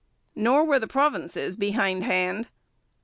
Nor were the provinces behindhand.